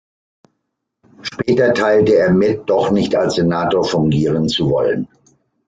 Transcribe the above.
Später teilte er mit, doch nicht als Senator fungieren zu wollen.